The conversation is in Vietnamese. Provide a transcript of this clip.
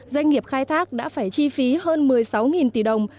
doanh nghiệp khai thác đã phải chi phí hơn một mươi sáu tỷ đồng